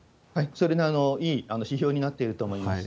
それのいい指標になってると思います。